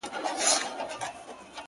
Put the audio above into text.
چي خبر سو جادوګرښارته راغلی؛